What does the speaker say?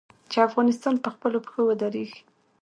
چې افغانستان په خپلو پښو ودریږي.